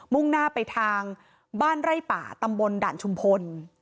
่งหน้าไปทางบ้านไร่ป่าตำบลด่านชุมพล